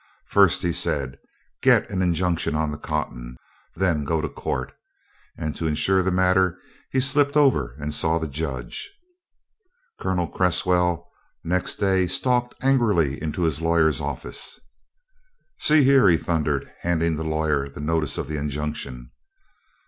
"First," he said, "get an injunction on the cotton then go to court." And to insure the matter he slipped over and saw the Judge. Colonel Cresswell next day stalked angrily into his lawyers' office. "See here," he thundered, handing the lawyer the notice of the injunction.